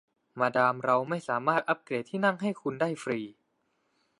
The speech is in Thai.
มาดามเราไม่สามารถอัพเกรดที่นั่งให้คุณได้ฟรี